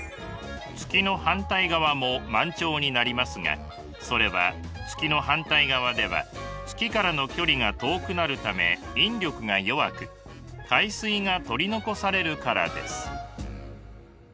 月の反対側も満潮になりますがそれは月の反対側では月からの距離が遠くなるため引力が弱く海水が取り残されるからです。